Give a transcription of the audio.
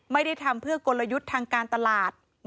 ไม่ได้ทำเพื่อกลยุทธ์ทางการตลาด